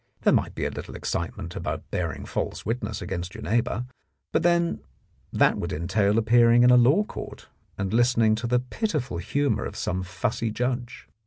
There might be a little excitement about bearing false witness against your neighbour, but then that would entail appearing in a law court and listening to the pitiful humour of some fussy judge.